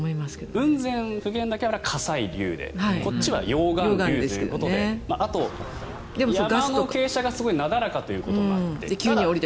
雲仙・普賢岳は火砕流でこっちは溶岩流ということであとは山の傾斜がすごくなだらかということもあって。